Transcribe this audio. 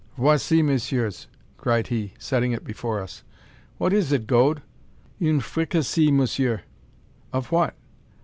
"Voici, messieurs?" cried he, setting it before us. "What is it, Gode?" "Une fricassee, monsieur." "Of what?"